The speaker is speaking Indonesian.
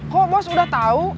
kok bos udah tahu